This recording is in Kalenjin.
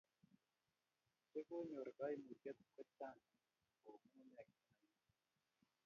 chekonyor kaimutiet ko chang ko u ngunguyek eng ainet